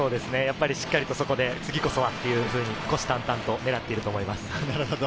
しっかりそこで次こそはと虎視眈々と狙っていると思います。